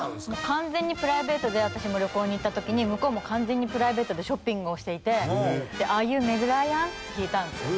完全にプライベートで私も旅行に行った時に向こうも完全にプライベートでショッピングをしていて「アーユーメグ・ライアン？」って聞いたんですよ。